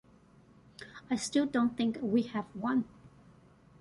I still don't think we have one.